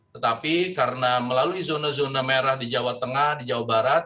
tetapi karena melalui zona zona merah di jawa tengah di jawa barat